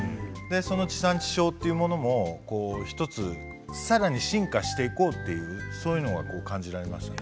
地産地消というものも１つさらに進化していこうというそういうものが感じられますね。